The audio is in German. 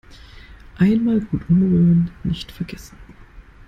Einmal gut umrühren nicht vergessen.